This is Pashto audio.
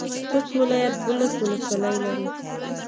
خوست ولایت دولس ولسوالۍ لري.